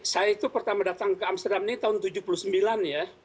saya itu pertama datang ke amsterdam ini tahun seribu sembilan ratus tujuh puluh sembilan ya